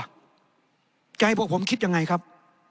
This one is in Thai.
ใจพวกผมคิดยังไงครับ